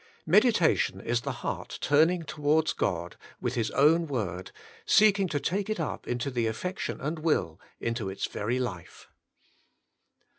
Meditation is the heart 74 The Inner Chamber turning towards God with His own Word, seeking to take it up into the affection and will, into its very life.